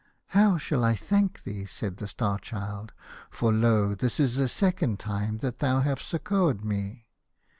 " H ow shall I thank thee ?" said the Star Child, " for lo ! this is the second time that you have succoured me."